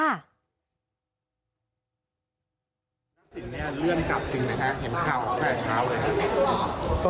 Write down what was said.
ทักษิณเนี่ยเลื่อนครับจริงนะคะเห็นข้าวแค่เช้าเลยครับ